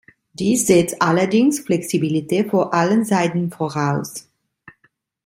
Dies setzt allerdings Flexibilität von allen Seiten voraus.